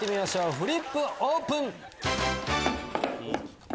フリップオープン！